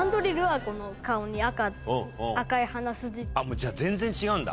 もうじゃあ全然違うんだ。